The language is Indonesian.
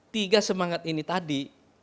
tiga semangat ini tadi